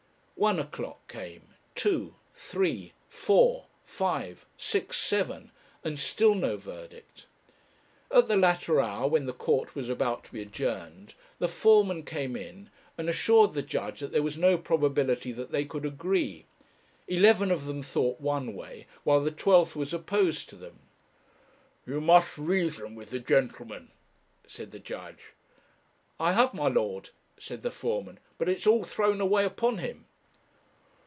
One o'clock came, two, three, four, five, six, seven, and still no verdict. At the latter hour, when the court was about to be adjourned, the foreman came in, and assured the judge that there was no probability that they could agree; eleven of them thought one way, while the twelfth was opposed to them. 'You must reason with the gentleman,' said the judge. 'I have, my lord,' said the foreman, 'but it's all thrown away upon him.'